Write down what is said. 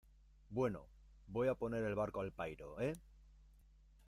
bueno, voy a poner el barco al pairo ,¿ eh?